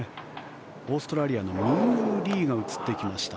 オーストラリアのミンウー・リーが映ってきました。